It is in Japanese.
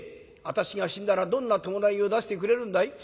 私が死んだらどんな葬式を出してくれるんだい？」。